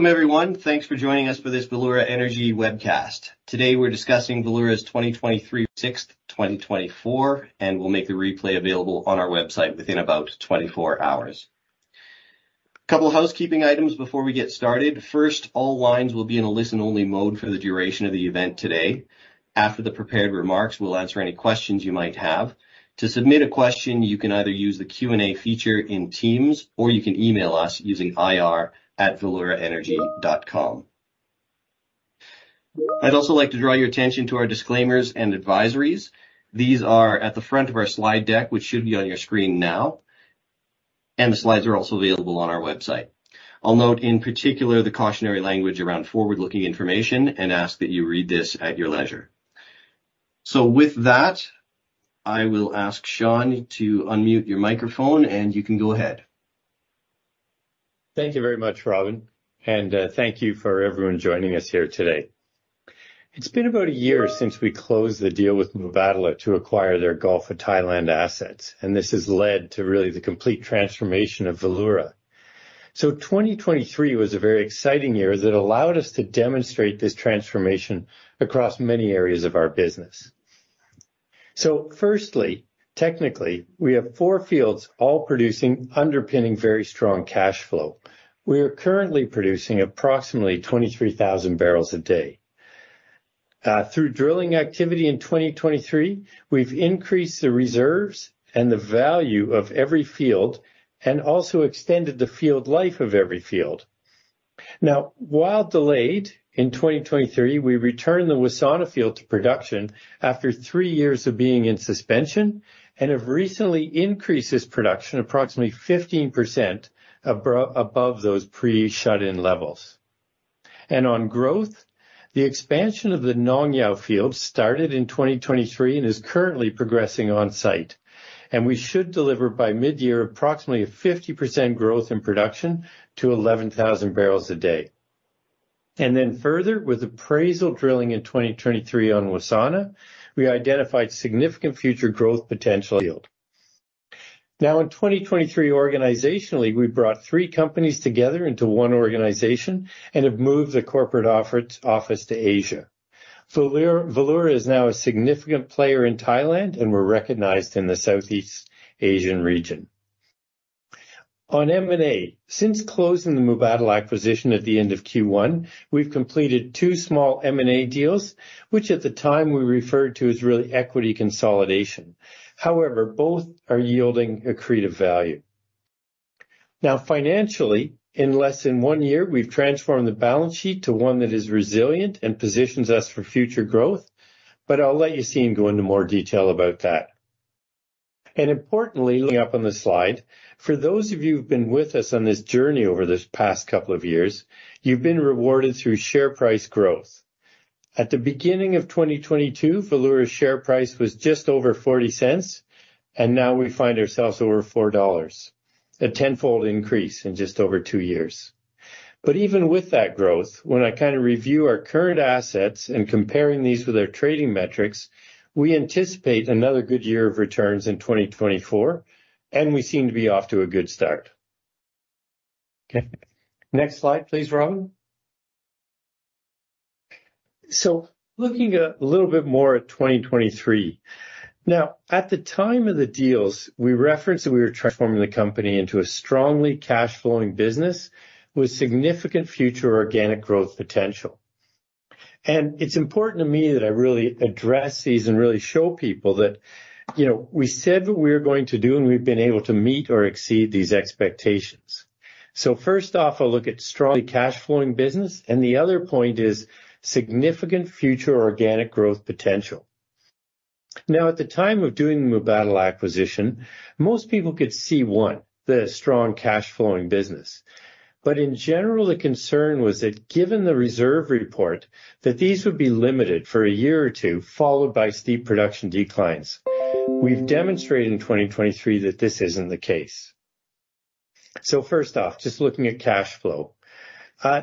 Welcome, everyone. Thanks for joining us for this Valeura Energy Webcast. Today we're discussing Valeura's 2023 and 2024, and we'll make the replay available on our website within about 24 hours. A couple of housekeeping items before we get started. First, all lines will be in a listen-only mode for the duration of the event today. After the prepared remarks, we'll answer any questions you might have. To submit a question, you can either use the Q&A feature in Teams or you can email us using ir@valeuraenergy.com. I'd also like to draw your attention to our disclaimers and advisories. These are at the front of our slide deck, which should be on your screen now, and the slides are also available on our website. I'll note in particular the cautionary language around forward-looking information and ask that you read this at your leisure. With that, I will ask Sean to unmute your microphone, and you can go ahead. Thank you very much, Robin, and thank you for everyone joining us here today. It's been about a year since we closed the deal with Mubadala to acquire their Gulf of Thailand assets, and this has led to really the complete transformation of Valeura. So 2023 was a very exciting year that allowed us to demonstrate this transformation across many areas of our business. So firstly, technically, we have four fields all producing, underpinning very strong cash flow. We are currently producing approximately 23,000 barrels a day. Through drilling activity in 2023, we've increased the reserves and the value of every field and also extended the field life of every field. Now, while delayed, in 2023, we returned the Wassana field to production after three years of being in suspension and have recently increased its production approximately 15% above those pre-shut-in levels. On growth, the expansion of the Nong Yao field started in 2023 and is currently progressing on site, and we should deliver by midyear approximately a 50% growth in production to 11,000 barrels a day. Further, with appraisal drilling in 2023 on Wassana, we identified significant future growth potential. Now, in 2023, organizationally, we brought three companies together into one organization and have moved the corporate office to Asia. Valeura is now a significant player in Thailand, and we're recognized in the Southeast Asian region. On M&A, since closing the Mubadala acquisition at the end of Q1, we've completed two small M&A deals, which at the time we referred to as really equity consolidation. However, both are yielding accretive value. Now, financially, in less than 1 year, we've transformed the balance sheet to one that is resilient and positions us for future growth, but I'll let Yacine go into more detail about that. Importantly, looking up on the slide, for those of you who've been with us on this journey over this past couple of years, you've been rewarded through share price growth. At the beginning of 2022, Valeura's share price was just over $0.40, and now we find ourselves over $4, a tenfold increase in just over two years. But even with that growth, when I kind of review our current assets and compare these with our trading metrics, we anticipate another good year of returns in 2024, and we seem to be off to a good start. Okay. Next slide, please, Robin. So looking a little bit more at 2023. Now, at the time of the deals, we referenced that we were transforming the company into a strongly cash-flowing business with significant future organic growth potential. And it's important to me that I really address these and really show people that we said what we were going to do, and we've been able to meet or exceed these expectations. So first off, I'll look at strongly cash-flowing business, and the other point is significant future organic growth potential. Now, at the time of doing the Mubadala acquisition, most people could see one, the strong cash-flowing business. But in general, the concern was that given the reserve report, that these would be limited for a year or two, followed by steep production declines. We've demonstrated in 2023 that this isn't the case. So first off, just looking at cash flow,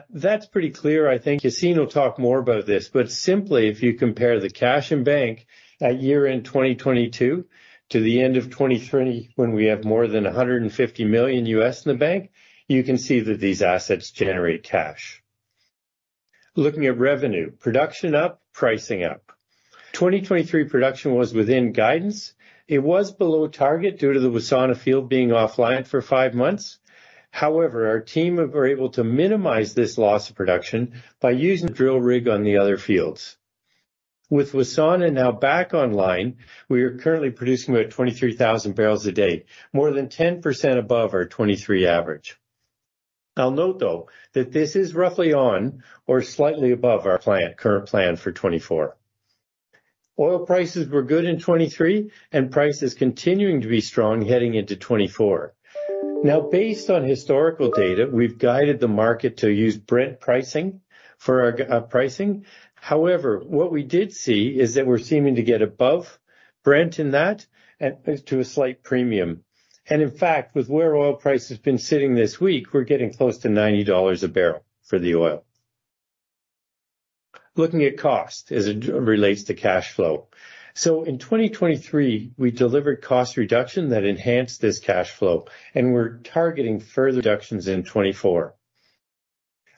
that's pretty clear, I think. Yacine will talk more about this, but simply, if you compare the cash in bank at year-end 2022 to the end of 2023 when we have more than $150 million in the bank, you can see that these assets generate cash. Looking at revenue, production up, pricing up. 2023 production was within guidance. It was below target due to the Wassana field being offline for five months. However, our team were able to minimize this loss of production by using the drill rig on the other fields. With Wassana now back online, we are currently producing about 23,000 barrels a day, more than 10% above our 2023 average. I'll note though, that this is roughly on or slightly above our current plan for 2024. Oil prices were good in 2023, and price is continuing to be strong heading into 2024. Now, based on historical data, we've guided the market to use Brent pricing. However, what we did see is that we're seeming to get above Brent in that and to a slight premium. And in fact, with where oil price has been sitting this week, we're getting close to $90 a barrel for the oil. Looking at cost as it relates to cash flow. So in 2023, we delivered cost reduction that enhanced this cash flow, and we're targeting further reductions in 2024.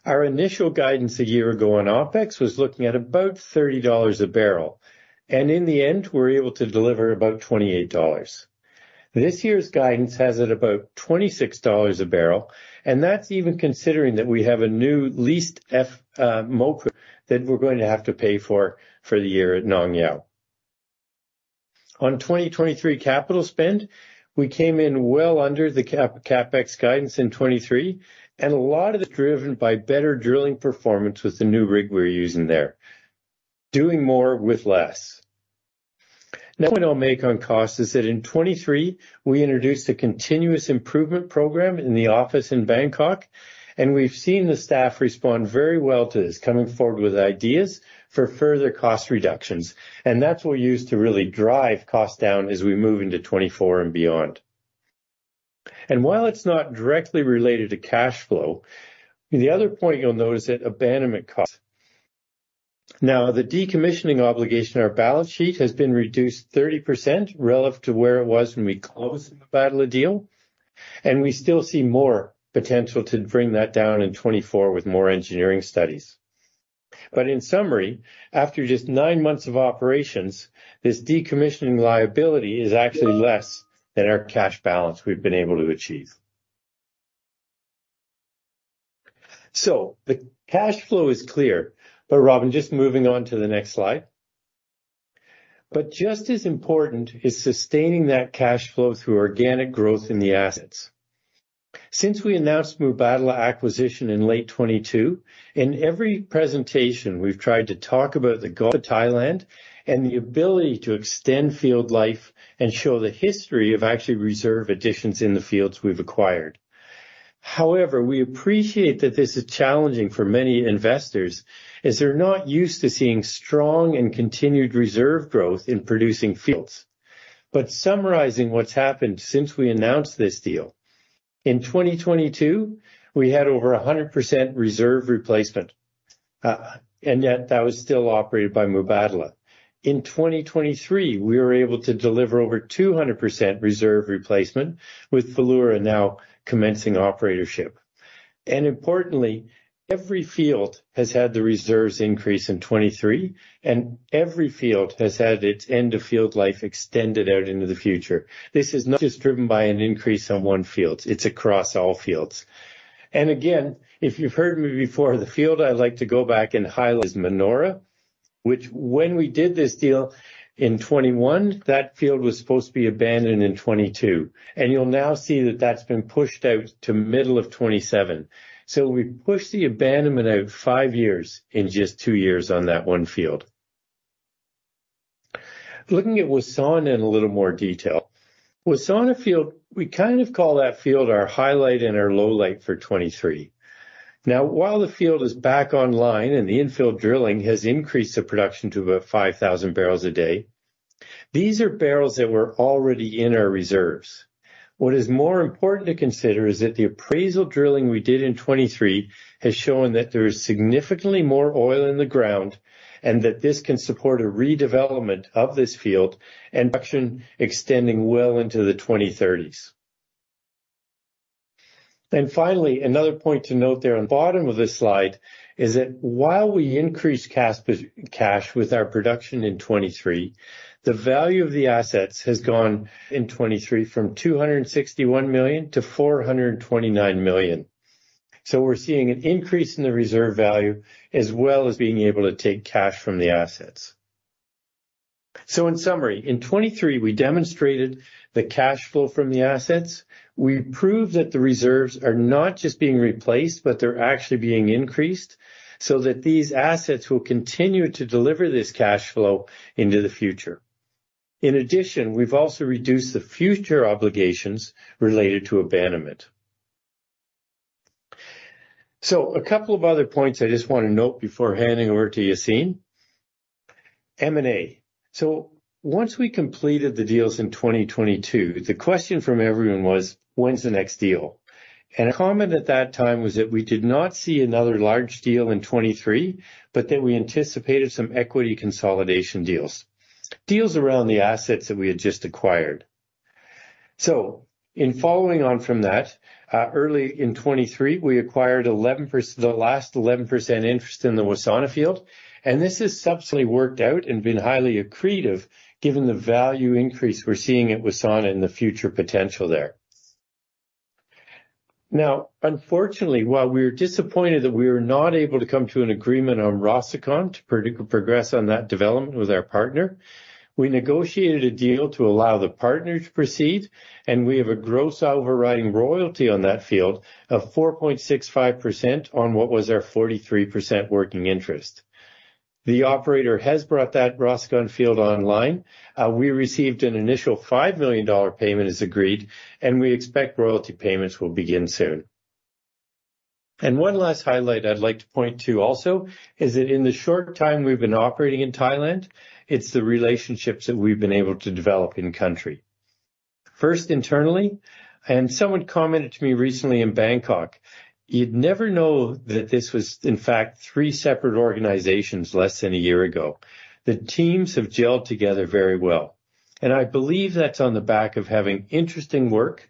Our initial guidance a year ago on OpEx was looking at about $30 a barrel, and in the end, we're able to deliver about $28. This year's guidance has it about $26 a barrel, and that's even considering that we have a new leased MOPU that we're going to have to pay for for the year at Nong Yao. On 2023 capital spend, we came in well under the CapEx guidance in 2023, and a lot of it is driven by better drilling performance with the new rig we're using there, doing more with less. Now, what I'll make on cost is that in 2023, we introduced a continuous improvement program in the office in Bangkok, and we've seen the staff respond very well to this, coming forward with ideas for further cost reductions. And that's what we use to really drive costs down as we move into 2024 and beyond. And while it's not directly related to cash flow, the other point you'll notice is abandonment costs. Now, the decommissioning obligation on our balance sheet has been reduced 30% relative to where it was when we closed the Mubadala deal, and we still see more potential to bring that down in 2024 with more engineering studies. But in summary, after just nine months of operations, this decommissioning liability is actually less than our cash balance we've been able to achieve. So the cash flow is clear, but Robin, just moving on to the next slide. But just as important is sustaining that cash flow through organic growth in the assets. Since we announced Mubadala acquisition in late 2022, in every presentation, we've tried to talk about the Gulf of Thailand and the ability to extend field life and show the history of actually reserve additions in the fields we've acquired. However, we appreciate that this is challenging for many investors as they're not used to seeing strong and continued reserve growth in producing fields. But summarizing what's happened since we announced this deal, in 2022, we had over 100% reserve replacement, and yet that was still operated by Mubadala. In 2023, we were able to deliver over 200% reserve replacement with Valeura now commencing operatorship. Importantly, every field has had the reserves increase in 2023, and every field has had its end of field life extended out into the future. This is not just driven by an increase on one field. It's across all fields. And again, if you've heard me before, the field I like to go back and highlight is Manora, which when we did this deal in 2021, that field was supposed to be abandoned in 2022. And you'll now see that that's been pushed out to middle of 2027. So we pushed the abandonment out five years in just two years on that one field. Looking at Wassana in a little more detail, Wassana field, we kind of call that field our highlight and our lowlight for 2023. Now, while the field is back online and the infield drilling has increased the production to about 5,000 barrels a day, these are barrels that were already in our reserves. What is more important to consider is that the appraisal drilling we did in 2023 has shown that there is significantly more oil in the ground and that this can support a redevelopment of this field and production extending well into the 2030s. And finally, another point to note there on the bottom of this slide is that while we increased cash with our production in 2023, the value of the assets has gone in 2023 from $261 million to $429 million. So we're seeing an increase in the reserve value as well as being able to take cash from the assets. So in summary, in 2023, we demonstrated the cash flow from the assets. We proved that the reserves are not just being replaced, but they're actually being increased so that these assets will continue to deliver this cash flow into the future. In addition, we've also reduced the future obligations related to abandonment. So a couple of other points I just want to note before handing over to Yacine. M&A. So once we completed the deals in 2022, the question from everyone was, when's the next deal? And a comment at that time was that we did not see another large deal in 2023, but that we anticipated some equity consolidation deals, deals around the assets that we had just acquired. So in following on from that, early in 2023, we acquired the last 11% interest in the Wassana field, and this has subsequently worked out and been highly accretive given the value increase we're seeing at Wassana and the future potential there. Now, unfortunately, while we were disappointed that we were not able to come to an agreement on Rossukon to progress on that development with our partner, we negotiated a deal to allow the partner to proceed, and we have a gross outright royalty on that field of 4.65% on what was our 43% working interest. The operator has brought that Rossukon field online. We received an initial $5 million payment as agreed, and we expect royalty payments will begin soon. And one last highlight I'd like to point to also is that in the short time we've been operating in Thailand, it's the relationships that we've been able to develop in-country. First, internally, and someone commented to me recently in Bangkok, you'd never know that this was, in fact, three separate organizations less than a year ago. The teams have gelled together very well. And I believe that's on the back of having interesting work,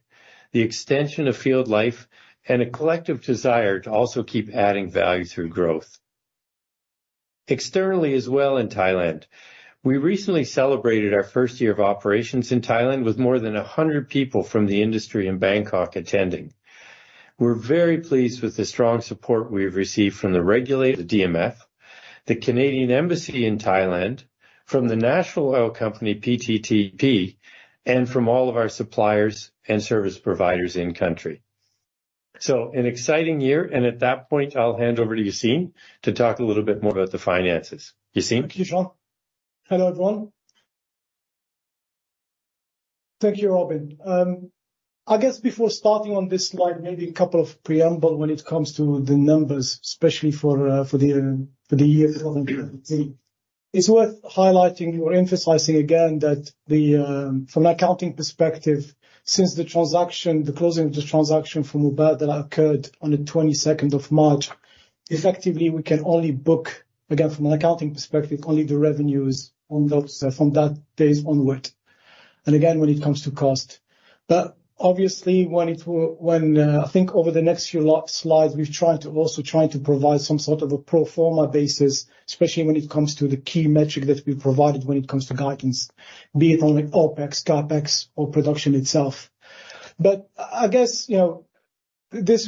the extension of field life, and a collective desire to also keep adding value through growth. Externally as well in Thailand, we recently celebrated our first year of operations in Thailand with more than 100 people from the industry in Bangkok attending. We're very pleased with the strong support we've received from the regulator, the DMF, the Canadian Embassy in Thailand, from the National Oil Company, PTTEP, and from all of our suppliers and service providers in-country. So an exciting year, and at that point, I'll hand over to Yacine to talk a little bit more about the finances. Yacine? Thank you, Sean. Hello everyone. Thank you, Robin. I guess before starting on this slide, maybe a couple of preambles when it comes to the numbers, especially for the year 2023. It's worth highlighting or emphasizing again that from an accounting perspective, since the closing of the transaction for Mubadala occurred on the March 22nd, effectively, we can only book, again, from an accounting perspective, only the revenues from that day onward. And again, when it comes to cost. But obviously, when I think over the next few slides, we've also tried to provide some sort of a pro forma basis, especially when it comes to the key metric that we provided when it comes to guidance, be it on OpEx, CapEx, or production itself. But I guess this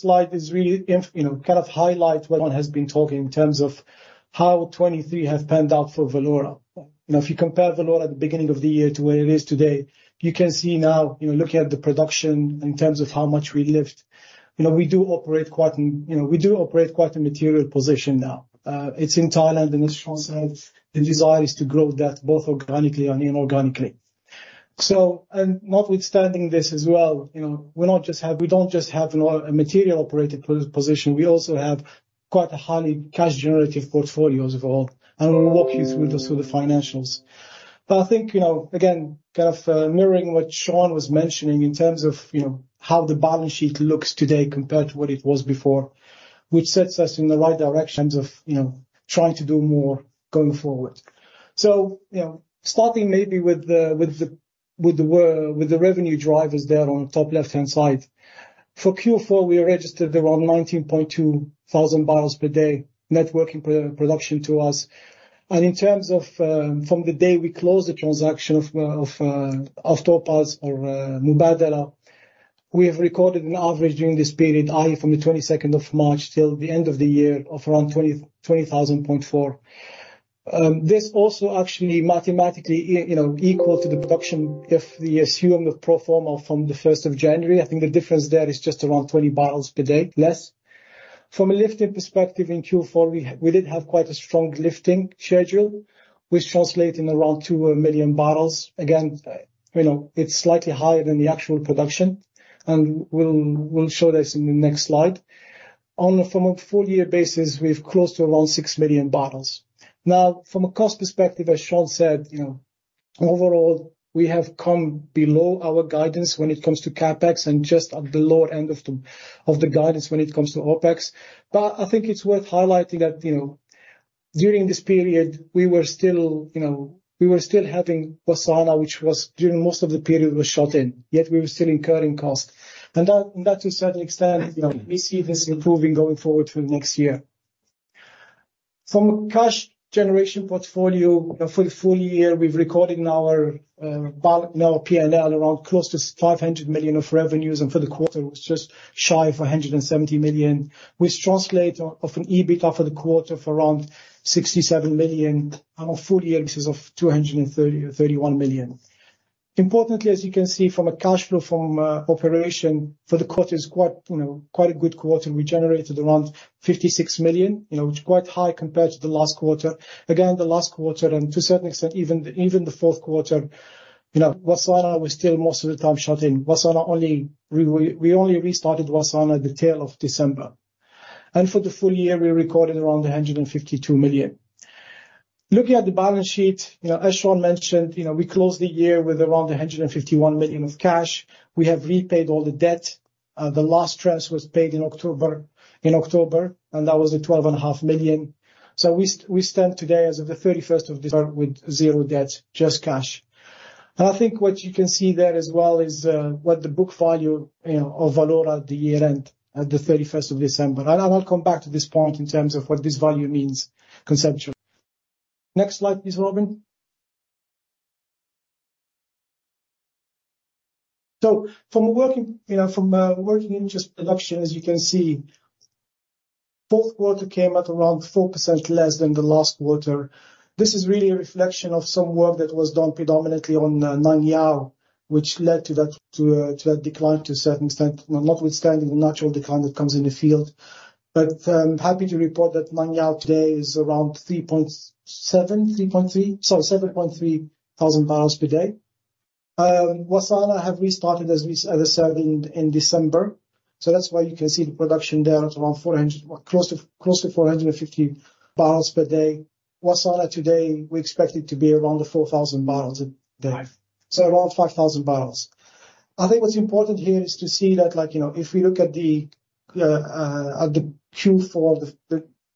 slide is really kind of highlight what one has been talking in terms of how 2023 has panned out for Valeura. If you compare Valeura at the beginning of the year to where it is today, you can see now, looking at the production in terms of how much we lift, we do operate quite a material position now. It's in Thailand, and as Sean said, the desire is to grow that both organically and inorganically. Notwithstanding this as well, we don't just have a material operator position. We also have quite a highly cash-generative portfolio as well, and we'll walk you through the financials. But I think, again, kind of mirroring what Sean was mentioning in terms of how the balance sheet looks today compared to what it was before, which sets us in the right direction in terms of trying to do more going forward. So starting maybe with the revenue drivers there on the top left-hand side, for Q4, we registered around 19.2 thousand barrels per day net working-interest production to us. And in terms of from the day we closed the transaction of Topaz or Mubadala, we have recorded an average during this period, i.e., from the March 22nd till the end of the year of around 2024. This also actually mathematically equal to the production if we assume the pro forma from the January 1st. I think the difference there is just around 20 barrels per day, less. From a lifting perspective in Q4, we did have quite a strong lifting schedule, which translated in around 2 million barrels. Again, it's slightly higher than the actual production, and we'll show this in the next slide. On a full-year basis, we've closed to around 6 million barrels. Now, from a cost perspective, as Sean said, overall, we have come below our guidance when it comes to CapEx and just below the end of the guidance when it comes to OpEx. But I think it's worth highlighting that during this period, we were still having Wassana, which during most of the period was shut in, yet we were still incurring cost. And that, to a certain extent, we see this improving going forward for the next year. From a cash generation portfolio, for the full year, we've recorded now a P&L around close to $500 million of revenues, and for the quarter, it was just shy of $170 million, which translates off an EBITDA for the quarter for around $67 million, and a full year of $231 million. Importantly, as you can see, from a cash flow from operations, for the quarter, it's quite a good quarter. We generated around $56 million, which is quite high compared to the last quarter. Again, the last quarter, and to a certain extent, even the fourth quarter, Wassana was still most of the time shut in. We only restarted Wassana at the tail of December. And for the full year, we recorded around $152 million. Looking at the balance sheet, as Sean mentioned, we closed the year with around $151 million of cash. We have repaid all the debt. The last transfer was paid in October, and that was $12.5 million. So we stand today, as of the December 31st, with zero debt, just cash. And I think what you can see there as well is what the book value of Valeura at the year-end, at the December 31st. And I'll come back to this point in terms of what this value means conceptually. Next slide, please, Robin. So from working in just production, as you can see, fourth quarter came out around 4% less than the last quarter. This is really a reflection of some work that was done predominantly on Nong Yao, which led to that decline to a certain extent, notwithstanding the natural decline that comes in the field. But I'm happy to report that Nong Yao today is around 3,300 barrels per day. Wassana have restarted, as I said, in December. So that's why you can see the production there at around close to 450 barrels per day. Wassana today, we expect it to be around 4,000 barrels a day, so around 5,000 barrels. I think what's important here is to see that if we look at the Q4,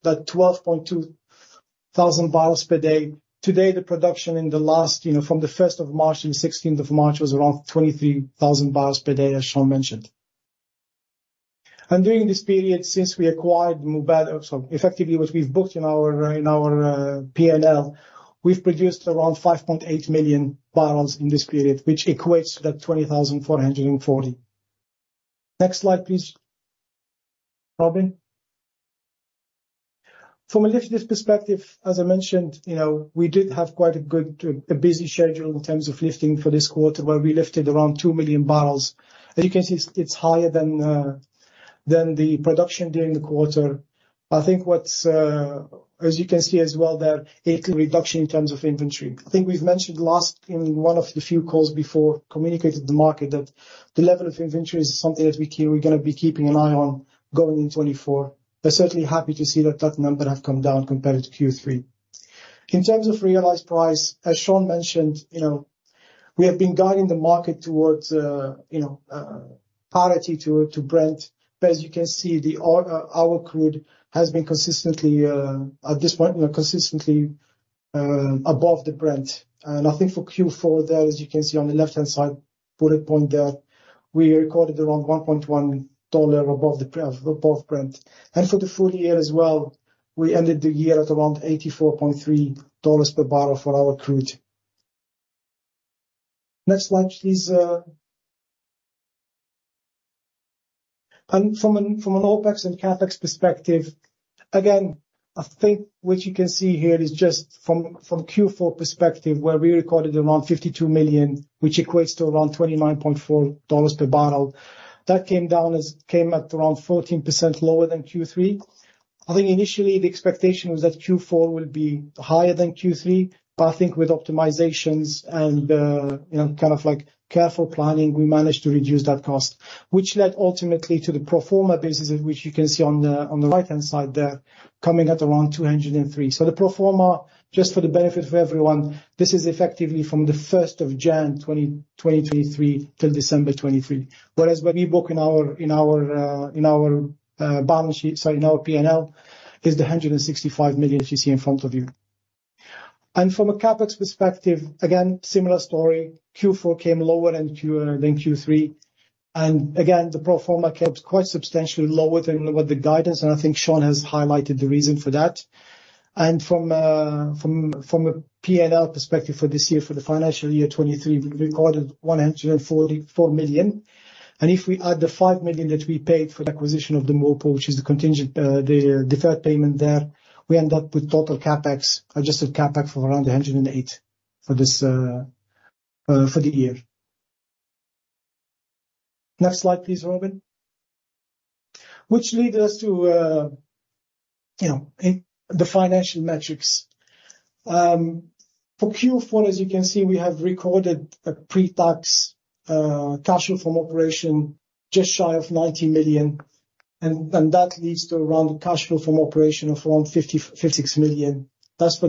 that 12,200 barrels per day, today, the production from the March 1st to the March 16th was around 23,000 barrels per day, as Sean mentioned. During this period, since we acquired Mubadala, effectively, what we've booked in our P&L, we've produced around 5.8 million barrels in this period, which equates to that 20,440. Next slide, please, Robin. From a lifting perspective, as I mentioned, we did have quite a busy schedule in terms of lifting for this quarter where we lifted around 2 million barrels. As you can see, it's higher than the production during the quarter. I think what's, as you can see as well there, it. Reduction in terms of inventory. I think we've mentioned last in one of the few calls before, communicated to the market that the level of inventory is something that we're going to be keeping an eye on going into 2024. We're certainly happy to see that that number has come down compared to Q3. In terms of realized price, as Sean mentioned, we have been guiding the market towards parity to Brent. But as you can see, our crude has been consistently, at this point, consistently above the Brent. And I think for Q4 there, as you can see on the left-hand side, bullet point there, we recorded around $1.1 above Brent. And for the full year as well, we ended the year at around $84.3 per barrel for our crude. Next slide, please. From an OpEx and CapEx perspective, again, I think what you can see here is just from Q4 perspective where we recorded around $52 million, which equates to around $29.4 per barrel. That came at around 14% lower than Q3. I think initially, the expectation was that Q4 will be higher than Q3, but I think with optimizations and kind of careful planning, we managed to reduce that cost, which led ultimately to the pro forma basis, which you can see on the right-hand side there, coming at around $203 million. So the pro forma, just for the benefit of everyone, this is effectively from the January 1st, 2023 till December 2023. Whereas when we book in our balance sheet, sorry, in our P&L, is the $165 million you see in front of you. From a CapEx perspective, again, similar story. Q4 came lower than Q3. Again, the pro forma came quite substantially lower than what the guidance, and I think Sean has highlighted the reason for that. From a P&L perspective for this year, for the financial year 2023, we recorded $144 million. And if we add the $5 million that we paid for the acquisition of the MOPU, which is the deferred payment there, we end up with total adjusted CapEx of around $108 million for the year. Next slide, please, Robin. Which leads us to the financial metrics. For Q4, as you can see, we have recorded a pre-tax cash flow from operation just shy of $90 million. And that leads to around a cash flow from operation of around $56 million. That's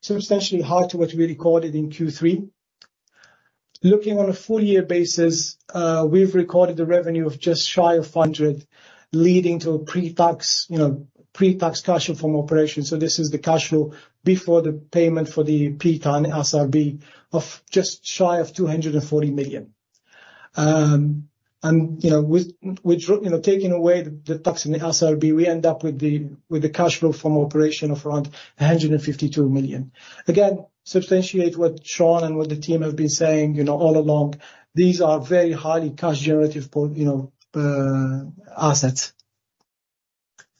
substantially higher to what we recorded in Q3. Looking on a full-year basis, we've recorded a revenue of just shy of $200 million, leading to a pre-tax cash flow from operation. So this is the cash flow before the payment for the PITA and SRB of just shy of $240 million. And with taking away the tax and the SRB, we end up with the cash flow from operation of around $152 million. Again, substantiate what Sean and what the team have been saying all along. These are very highly cash-generative assets.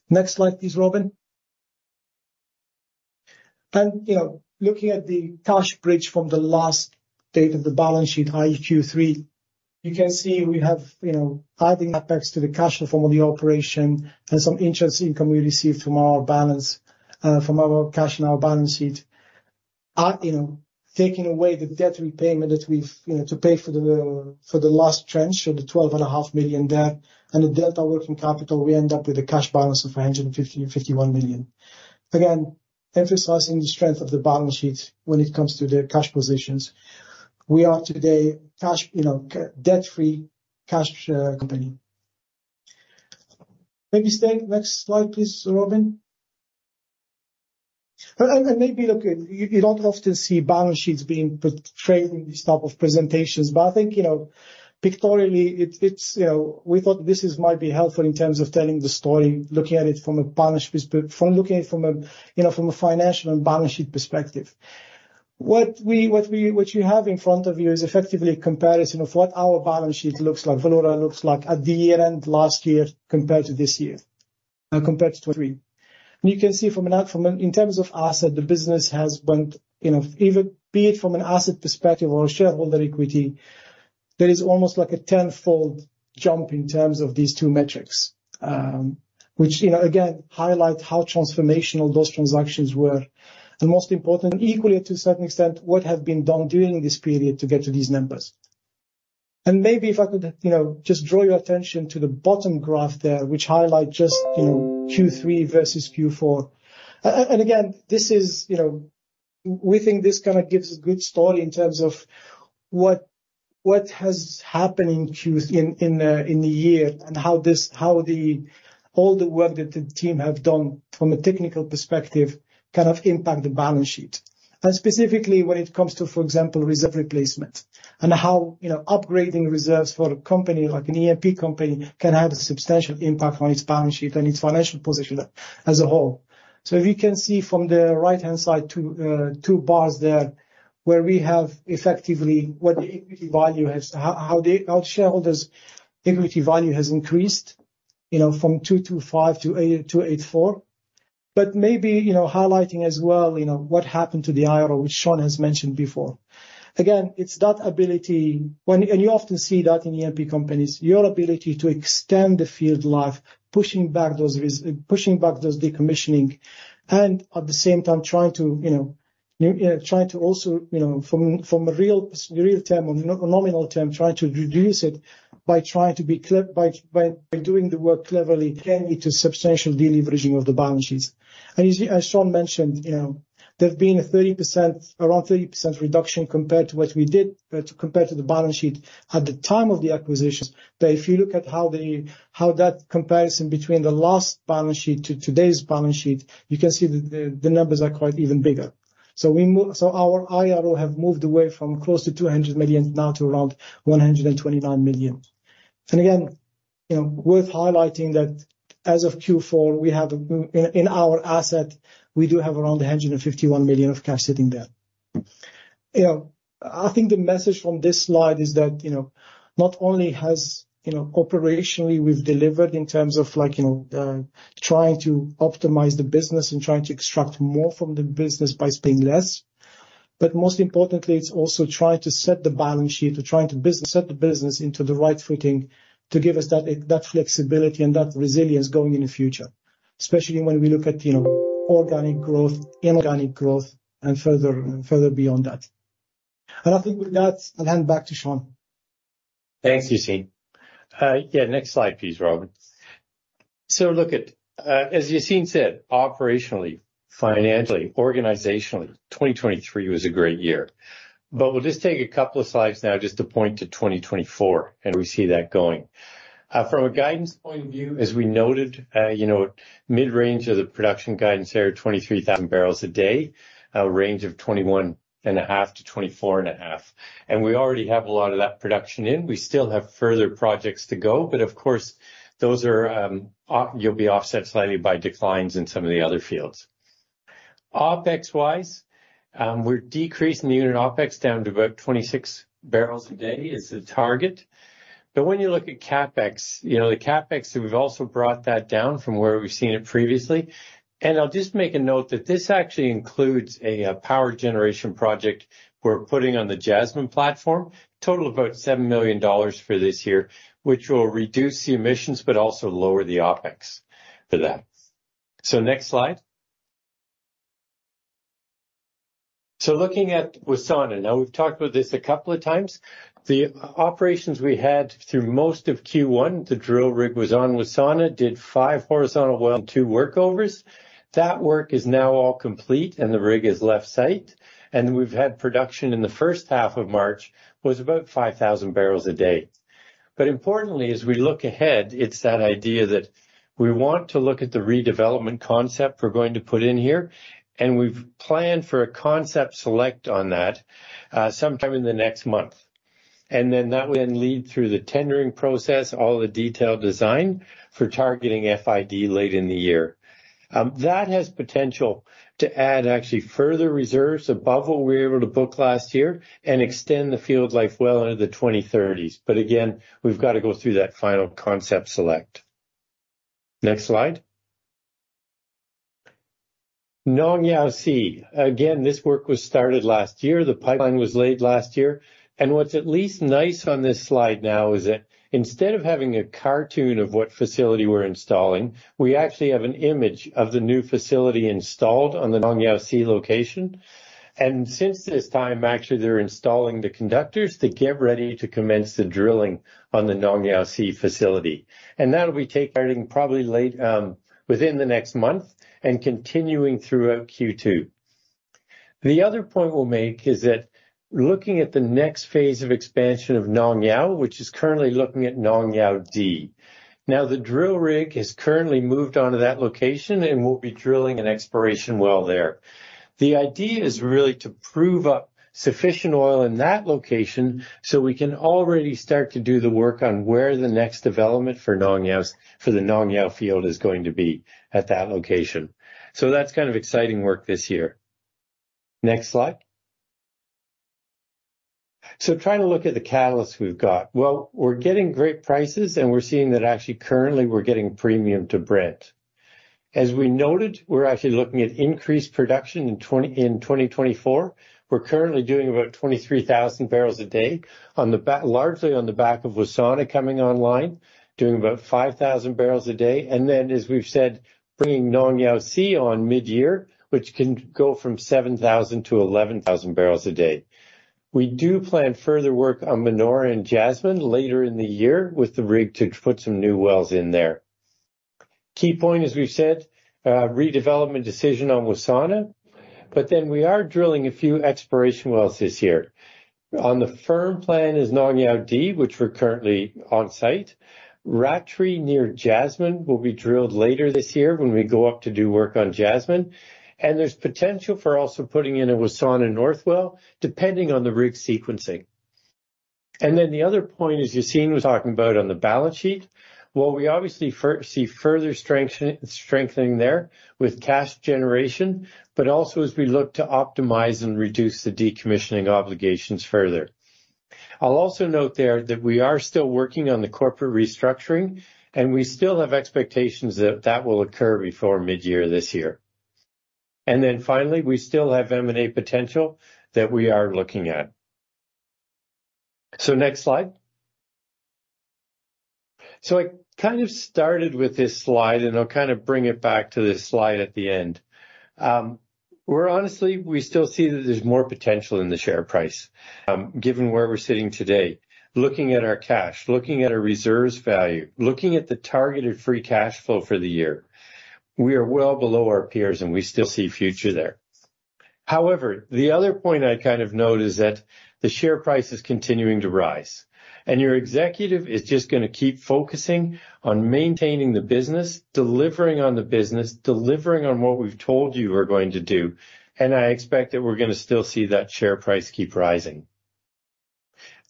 Next slide, please, Robin. And looking at the cash bridge from the last date of the balance sheet, i.e., Q3, you can see we have adding CapEx to the cash flow from the operation and some interest income we received from our cash in our balance sheet. Taking away the debt repayment that we've to pay for the last tranche, so the $12.5 million there, and the delta working capital, we end up with a cash balance of $151 million. Again, emphasizing the strength of the balance sheet when it comes to the cash positions. We are today debt-free cash company. Maybe next slide, please, Robin. Maybe you don't often see balance sheets being portrayed in these types of presentations, but I think pictorially, we thought this might be helpful in terms of telling the story, looking at it from a looking at it from a financial and balance sheet perspective. What you have in front of you is effectively a comparison of what our balance sheet looks like, Valeura looks like at the year-end last year compared to this year, compared to 2023. You can see in terms of assets, the business has went be it from an asset perspective or shareholder equity, there is almost like a tenfold jump in terms of these two metrics, which again highlight how transformational those transactions were. And most important. And equally, to a certain extent, what has been done during this period to get to these numbers. And maybe if I could just draw your attention to the bottom graph there, which highlights just Q3 versus Q4. Again, we think this kind of gives a good story in terms of what has happened in the year and how all the work that the team have done from a technical perspective kind of impact the balance sheet, and specifically when it comes to, for example, reserve replacement and how upgrading reserves for a company like an E&P company can have a substantial impact on its balance sheet and its financial position as a whole. So if you can see from the right-hand side, two bars there where we have effectively how shareholders' equity value has increased from $225 to $284, but maybe highlighting as well what happened to the ARO, which Sean has mentioned before. Again, it's that ability and you often see that in EMP companies, your ability to extend the field life, pushing back those decommissioning, and at the same time, trying to also from a real term, a nominal term, trying to reduce it by trying to be by doing the work cleverly. Can lead to substantial deleveraging of the balance sheets. And as Sean mentioned, there's been around 30% reduction compared to what we did compared to the balance sheet at the time of the acquisition. But if you look at how that comparison between the last balance sheet to today's balance sheet, you can see that the numbers are quite even bigger. So our ARO have moved away from close to $200 million now to around $129 million. And again, worth highlighting that as of Q4, in our asset, we do have around $151 million of cash sitting there. I think the message from this slide is that not only operationally we've delivered in terms of trying to optimize the business and trying to extract more from the business by spending less, but most importantly, it's also trying to set the balance sheet or trying to set the business into the right footing to give us that flexibility and that resilience going in the future, especially when we look at organic growth, inorganic growth, and further beyond that. I think with that, I'll hand back to Sean. Thanks, Yacine. Yeah, next slide, please, Robin. Look at, as Yacine said, operationally, financially, organizationally, 2023 was a great year. We'll just take a couple of slides now just to point to 2024 and where we see that going. From a guidance point of view, as we noted, mid-range of the production guidance there, 23,000 barrels a day, a range of 21,500-24,500. And we already have a lot of that production in. We still have further projects to go. But of course, you'll be offset slightly by declines in some of the other fields. OpEx-wise, we're decreasing the unit OpEx down to about 26 barrels a day is the target. But when you look at CapEx, the CapEx, we've also brought that down from where we've seen it previously. And I'll just make a note that this actually includes a power generation project we're putting on the Jasmine platform, total about $7 million for this year, which will reduce the emissions but also lower the OpEx for that. So next slide. So looking at Wassana, now we've talked about this a couple of times. The operations we had through most of Q1, the drill rig was on Wassana, did five horizontal and two workovers. That work is now all complete, and the rig has left site. We've had production in the first half of March that was about 5,000 barrels a day. But importantly, as we look ahead, it's that idea that we want to look at the redevelopment concept we're going to put in here, and we've planned for a concept select on that sometime in the next month. Then that would lead through the tendering process, all the detailed design for targeting FID late in the year. That has potential to add actually further reserves above what we were able to book last year and extend the field life well into the 2030s. But again, we've got to go through that final concept select. Next slide. Nong Yao C, again, this work was started last year. The pipeline was laid last year. What's at least nice on this slide now is that instead of having a cartoon of what facility we're installing, we actually have an image of the new facility installed on the Nong Yao C location. Since this time, actually, they're installing the conductors to get ready to commence the drilling on the Nong Yao C facility. That'll be taking probably late within the next month and continuing throughout Q2. The other point we'll make is that looking at the next phase of expansion of Nong Yao, which is currently looking at Nong Yao D. Now, the drill rig has currently moved onto that location and we'll be drilling an exploration well there. The idea is really to prove up sufficient oil in that location so we can already start to do the work on where the next development for the Nong Yao field is going to be at that location. So that's kind of exciting work this year. Next slide. So trying to look at the catalysts we've got. Well, we're getting great prices, and we're seeing that actually currently we're getting premium to Brent. As we noted, we're actually looking at increased production in 2024. We're currently doing about 23,000 barrels a day, largely on the back of Wassana coming online, doing about 5,000 barrels a day. And then, as we've said, bringing Nong Yao C on mid-year, which can go from 7,000-11,000 barrels a day. We do plan further work on Manora and Jasmine later in the year with the rig to put some new wells in there. Key point, as we've said, redevelopment decision on Wassana. But then we are drilling a few exploration wells this year. On the firm plan is Nong Yao D, which we're currently on site. Ratree near Jasmine will be drilled later this year when we go up to do work on Jasmine. And there's potential for also putting in a Wassana North well, depending on the rig sequencing. And then the other point, as Yacine was talking about on the balance sheet, well, we obviously see further strengthening there with cash generation, but also as we look to optimize and reduce the decommissioning obligations further. I'll also note there that we are still working on the corporate restructuring, and we still have expectations that that will occur before mid-year this year. And then finally, we still have M&A potential that we are looking at. So next slide. So I kind of started with this slide, and I'll kind of bring it back to this slide at the end. Honestly, we still see that there's more potential in the share price, given where we're sitting today, looking at our cash, looking at our reserves value, looking at the targeted free cash flow for the year. We are well below our peers, and we still see future there. However, the other point I kind of note is that the share price is continuing to rise, and your executive is just going to keep focusing on maintaining the business, delivering on the business, delivering on what we've told you we're going to do. I expect that we're going to still see that share price keep rising.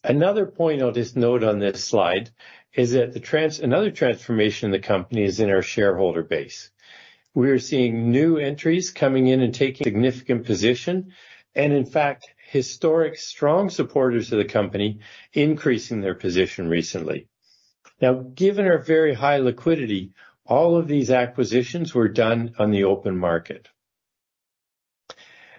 Another point I'll just note on this slide is that another transformation in the company is in our shareholder base. We are seeing new entries coming in and taking significant position and, in fact, historic strong supporters of the company increasing their position recently. Now, given our very high liquidity, all of these acquisitions were done on the open market.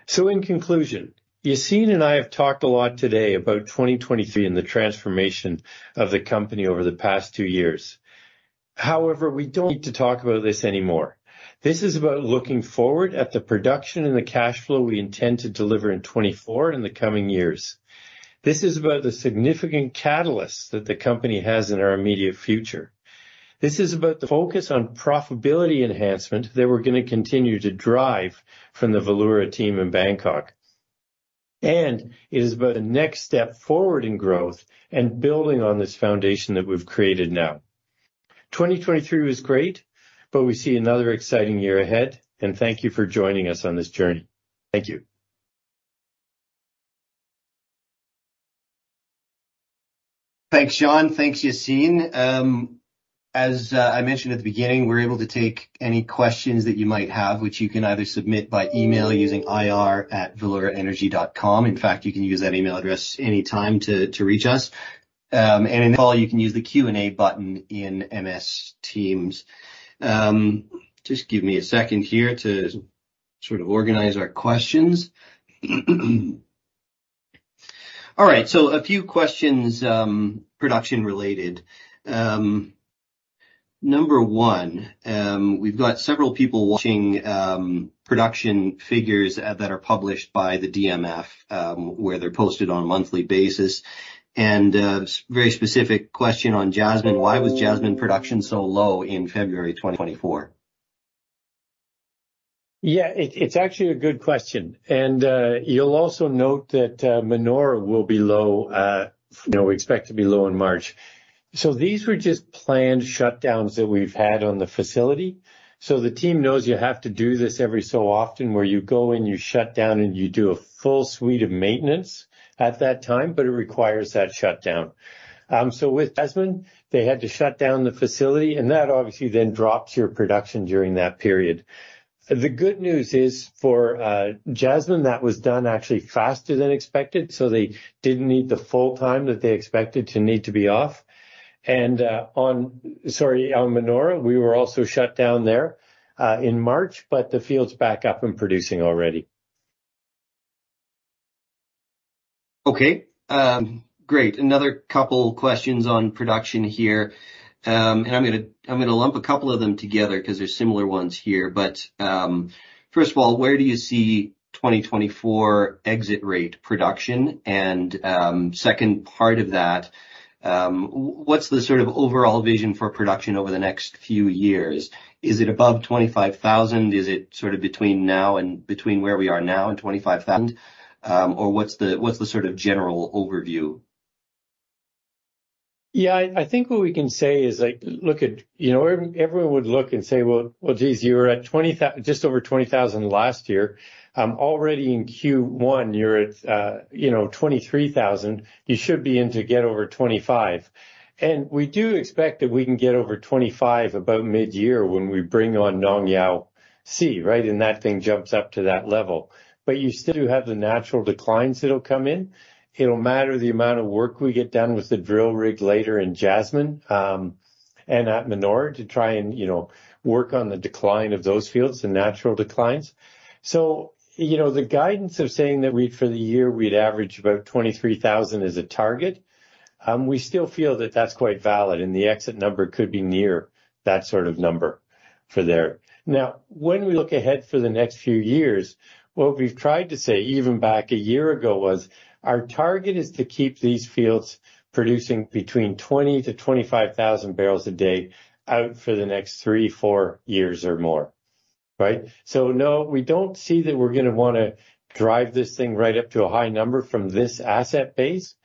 So in conclusion, Yacine and I have talked a lot today about 2023 and the transformation of the company over the past two years. However, we don't need to talk about this anymore. This is about looking forward at the production and the cash flow we intend to deliver in 2024 and the coming years. This is about the significant catalysts that the company has in our immediate future. This is about the focus on profitability enhancement that we're going to continue to drive from the Valeura team in Bangkok. And it is about the next step forward in growth and building on this foundation that we've created now. 2023 was great, but we see another exciting year ahead. Thank you for joining us on this journey. Thank you. Thanks, Sean. Thanks, Yacine. As I mentioned at the beginning, we're able to take any questions that you might have, which you can either submit by email using ir@valeuraenergy.com. In fact, you can use that email address anytime to reach us. In the call, you can use the Q&A button in MS Teams. Just give me a second here to sort of organize our questions. All right. A few questions production-related. Number one, we've got several people watching production figures that are published by the DMF, where they're posted on a monthly basis. Very specific question on Jasmine. Why was Jasmine production so low in February 2024? Yeah, it's actually a good question. You'll also note that Manora will be low. We expect to be low in March. So these were just planned shutdowns that we've had on the facility. So the team knows you have to do this every so often where you go in, you shut down, and you do a full suite of maintenance at that time, but it requires that shutdown. So with Jasmine, they had to shut down the facility, and that obviously then drops your production during that period. The good news is for Jasmine, that was done actually faster than expected. So they didn't need the full time that they expected to need to be off. And sorry, on Manora, we were also shut down there in March, but the field's back up and producing already. Okay. Great. Another couple of questions on production here. And I'm going to lump a couple of them together because there's similar ones here. But first of all, where do you see 2024 exit rate production? And second part of that, what's the sort of overall vision for production over the next few years? Is it above 25,000? Is it sort of between now and between where we are now and 25,000? Or what's the sort of general overview? Yeah, I think what we can say is look at everyone would look and say, "Well, Jeez, you were at just over 20,000 last year. Already in Q1, you're at 23,000. You should be in to get over 25,000." And we do expect that we can get over 25,000 about mid-year when we bring on Nong Yao C, right? And that thing jumps up to that level. But you still do have the natural declines that'll come in. It'll matter the amount of work we get done with the drill rig later in Jasmine and at Manora to try and work on the decline of those fields, the natural declines. So the guidance of saying that for the year, we'd average about 23,000 as a target, we still feel that that's quite valid. And the exit number could be near that sort of number for there. Now, when we look ahead for the next few years, what we've tried to say even back a year ago was, "Our target is to keep these fields producing between 20,000-25,000 barrels a day out for the next three, four years or more," right? So no, we don't see that we're going to want to drive this thing right up to a high number from this asset base.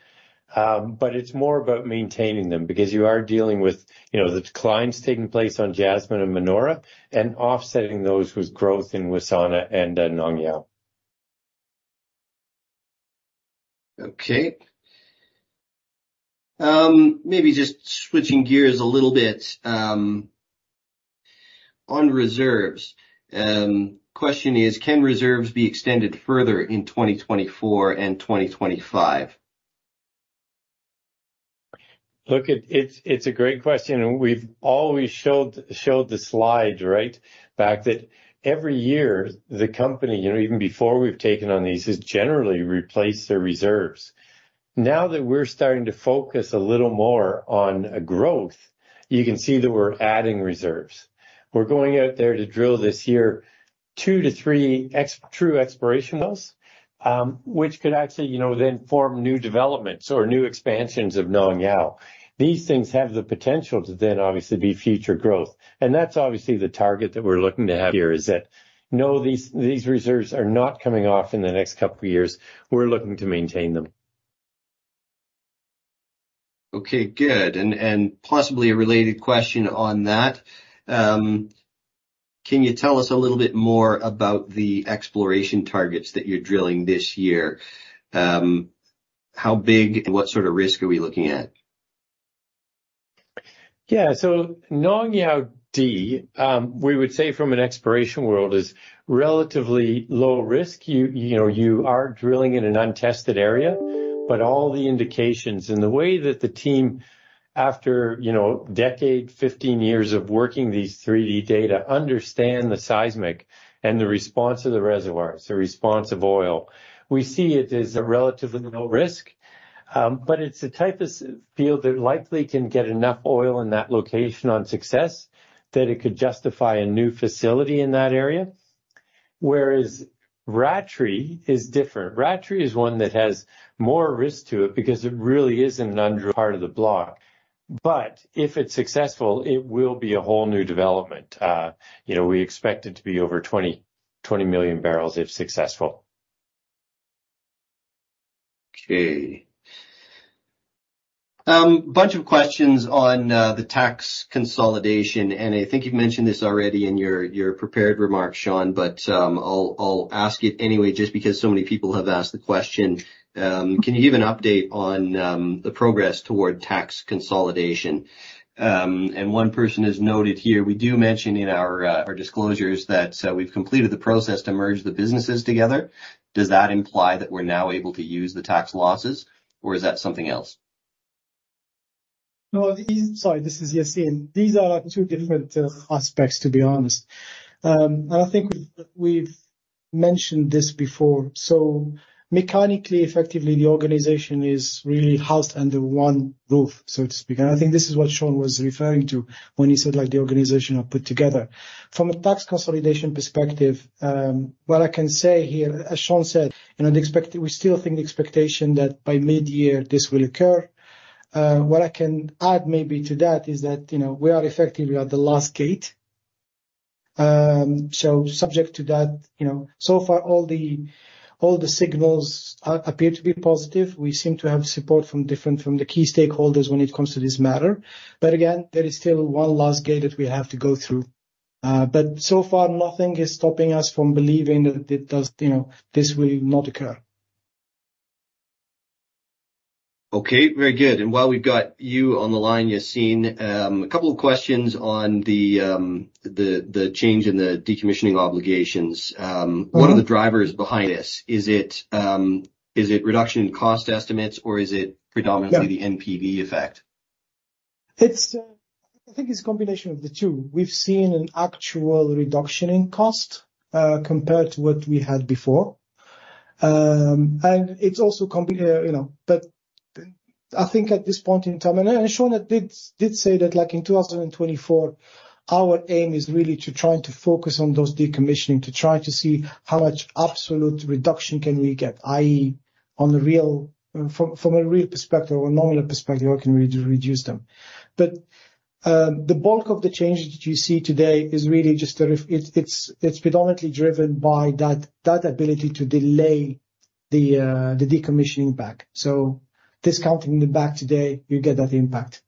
But it's more about maintaining them because you are dealing with the declines taking place on Jasmine and Manora and offsetting those with growth in Wassana and Nong Yao. Okay. Maybe just switching gears a little bit on reserves. Question is, can reserves be extended further in 2024 and 2025? Look, it's a great question. And we've always showed the slides, right, back that every year, the company, even before we've taken on these, has generally replaced their reserves. Now that we're starting to focus a little more on growth, you can see that we're adding reserves. We're going out there to drill this year two to three true exploration wells, which could actually then form new developments or new expansions of Nong Yao. These things have the potential to then obviously be future growth. And that's obviously the target that we're looking to have here is that, no, these reserves are not coming off in the next couple of years. We're looking to maintain them. Okay. Good. And possibly a related question on that. Can you tell us a little bit more about the exploration targets that you're drilling this year? How big and what sort of risk are we looking at? Yeah. So Nong Yao D, we would say from an exploration world, is relatively low risk. You are drilling in an untested area, but all the indications and the way that the team, after decades, 15 years of working these 3D data, understand the seismic and the response of the reservoirs, the response of oil, we see it as relatively low risk. But it's a type of field that likely can get enough oil in that location on success that it could justify a new facility in that area. Whereas Ratree is different. Ratree is one that has more risk to it because it really isn't an undrilled part of the block. But if it's successful, it will be a whole new development. We expect it to be over 20 million barrels if successful. Okay. Bunch of questions on the tax consolidation. And I think you've mentioned this already in your prepared remarks, Sean, but I'll ask it anyway just because so many people have asked the question. Can you give an update on the progress toward tax consolidation? And one person has noted here, we do mention in our disclosures that we've completed the process to merge the businesses together. Does that imply that we're now able to use the tax losses, or is that something else? No. Sorry, this is Yacine. These are two different aspects, to be honest. And I think we've mentioned this before. So mechanically, effectively, the organization is really housed under one roof, so to speak. And I think this is what Sean was referring to when he said the organization are put together. From a tax consolidation perspective, what I can say here, as Sean said, we still think the expectation that by mid-year, this will occur. What I can add maybe to that is that we are effectively at the last gate. So subject to that, so far, all the signals appear to be positive. We seem to have support from the key stakeholders when it comes to this matter. But again, there is still one last gate that we have to go through. But so far, nothing is stopping us from believing that this will not occur. Okay. Very good. And while we've got you on the line, Yacine, a couple of questions on the change in the decommissioning obligations. What are the drivers behind this? Is it reduction in cost estimates, or is it predominantly the NPV effect? I think it's a combination of the two. We've seen an actual reduction in cost compared to what we had before. And it's also, but I think at this point in time, and Sean did say that in 2024, our aim is really to try to focus on those decommissioning, to try to see how much absolute reduction can we get, i.e., from a real perspective or a nominal perspective, how can we reduce them. But the bulk of the changes that you see today is really just it's predominantly driven by that ability to delay the decommissioning backlog. So discounting the backlog today, you get that impact.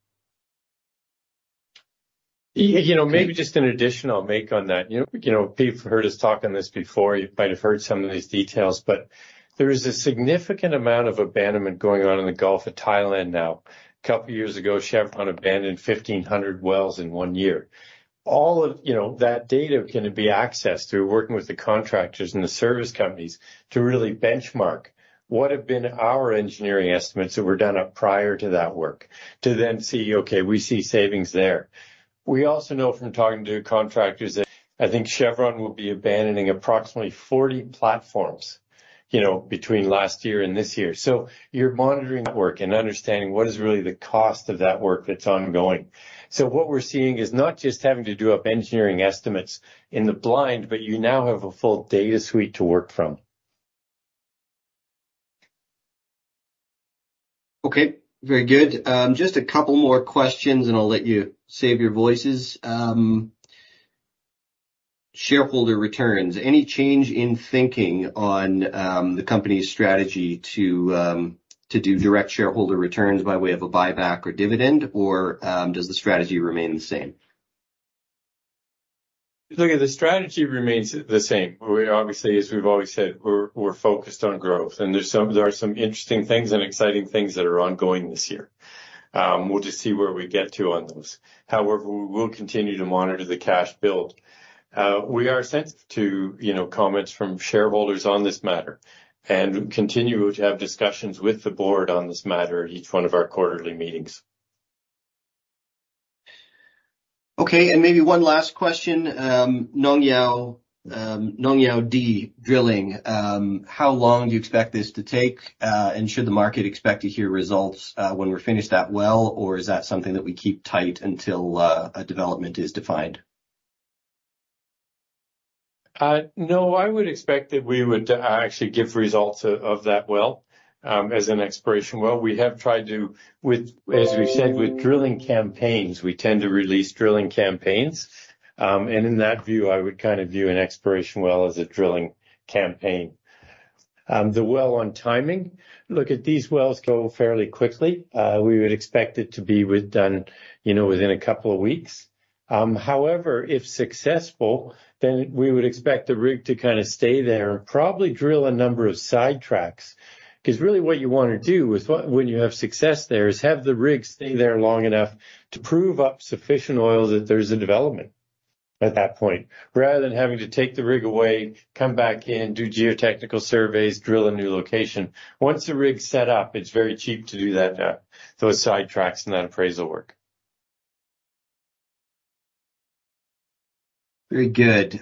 Maybe just an additional remark on that. People have heard us talk on this before. You might have heard some of these details. But there is a significant amount of abandonment going on in the Gulf of Thailand now. A couple of years ago, Chevron abandoned 1,500 wells in one year. All of that data can be accessed through working with the contractors and the service companies to really benchmark what have been our engineering estimates that were done up prior to that work to then see, "Okay, we see savings there." We also know from talking to contractors. I think Chevron will be abandoning approximately 40 platforms between last year and this year. So you're monitoring that work and understanding what is really the cost of that work that's ongoing. So what we're seeing is not just having to do up engineering estimates in the blind, but you now have a full data suite to work from. Okay. Very good. Just a couple more questions, and I'll let you save your voices. Shareholder returns, any change in thinking on the company's strategy to do direct shareholder returns by way of a buyback or dividend, or does the strategy remain the same? Look, the strategy remains the same. Obviously, as we've always said, we're focused on growth. And there are some interesting things and exciting things that are ongoing this year. We'll just see where we get to on those. However, we will continue to monitor the cash build. We are sensitive to comments from shareholders on this matter and continue to have discussions with the board on this matter at each one of our quarterly meetings. Okay. And maybe one last question. Nong Yao D drilling, how long do you expect this to take? And should the market expect to hear results when we're finished that well, or is that something that we keep tight until a development is defined? No, I would expect that we would actually give results of that well as an exploration well. We have tried to, as we've said, with drilling campaigns, we tend to release drilling campaigns. And in that view, I would kind of view an exploration well as a drilling campaign. The well on timing, look, at these wells go fairly quickly. We would expect it to be done within a couple of weeks. However, if successful, then we would expect the rig to kind of stay there and probably drill a number of side tracks. Because really, what you want to do is when you have success there is have the rig stay there long enough to prove up sufficient oil that there's a development at that point, rather than having to take the rig away, come back in, do geotechnical surveys, drill a new location. Once the rig's set up, it's very cheap to do those side tracks and that appraisal work. Very good.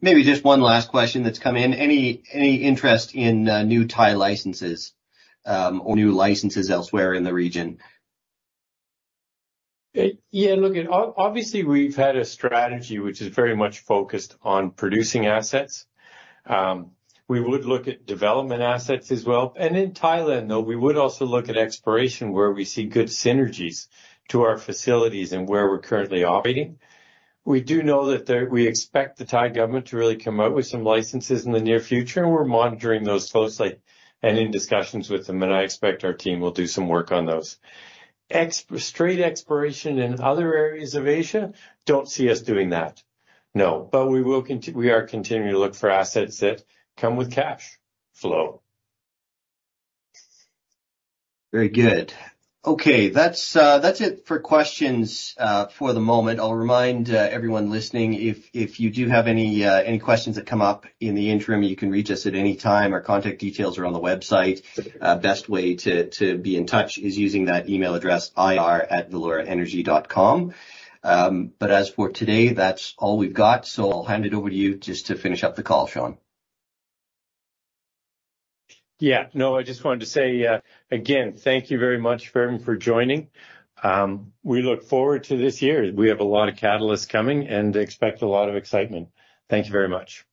Maybe just one last question that's come in. Any interest in new Thai licenses or new licenses elsewhere in the region? Yeah. Look, obviously, we've had a strategy which is very much focused on producing assets. We would look at development assets as well. And in Thailand, though, we would also look at exploration where we see good synergies to our facilities and where we're currently operating. We do know that we expect the Thai government to really come out with some licenses in the near future, and we're monitoring those closely and in discussions with them. And I expect our team will do some work on those. Straight exploration in other areas of Asia, don't see us doing that, no. But we are continuing to look for assets that come with cash flow. Very good. Okay. That's it for questions for the moment. I'll remind everyone listening, if you do have any questions that come up in the interim, you can reach us at any time. Our contact details are on the website. Best way to be in touch is using that email address, ir@valeuraenergy.com. But as for today, that's all we've got. So I'll hand it over to you just to finish up the call, Sean. Yeah. No, I just wanted to say, again, thank you very much for joining. We look forward to this year. We have a lot of catalysts coming and expect a lot of excitement. Thank you very much.